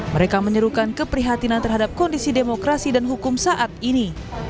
mereka menyerukan keprihatinan terhadap kondisi demokrasi dan hukum saat ini